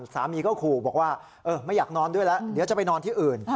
สามีก็ขู่บอกว่าไม่อยากนอนด้วยแล้วเดี๋ยวจะไปนอนที่อื่น